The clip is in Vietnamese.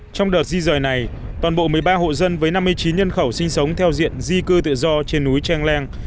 trong đợt di rời này toàn bộ một mươi ba hộ dân với năm mươi chín nhân khẩu sinh sống theo diện di cư tự do trên núi trang leng